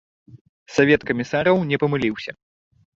Савет камісараў не памыліўся.